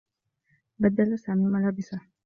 بدّل سامي ملابسه.